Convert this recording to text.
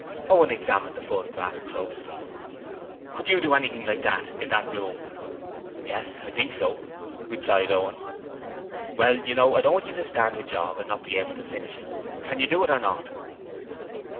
Owen examined the photograph closely. 'Could you do anything like that in that room?' 'Yes, I think so,' replied Owen. 'Well, you know, I don't want you to start on the job and not be able to finish it. Can you do it or not?'